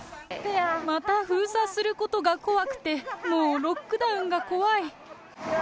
また封鎖することが怖くて、もうロックダウンが怖い。